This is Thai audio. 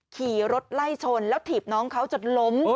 ขี่รถไล่ชนแล้วถีบน้องเขาจนล้ม